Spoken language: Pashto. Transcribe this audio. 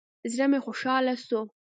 زړه مې خوشاله سو.